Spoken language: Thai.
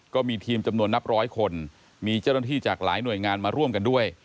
ก็มีทีมจำนวนนับร้อยคนมีเจ้าหน้าที่จากหลายหน่วยงานมาร่วมกันด้วย